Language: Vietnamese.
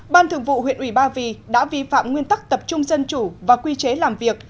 ban thường vụ huyện ủy ba vì đã vi phạm nguyên tắc tập trung dân chủ và quy chế làm việc